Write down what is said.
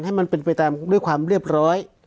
ให้มันเป็นไปตามด้วยความเรียบร้อย